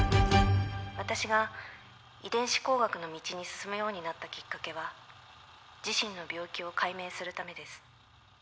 私が遺伝子工学の道に進むようになったきっかけは自身の病気を解明するためです。